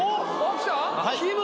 きむ！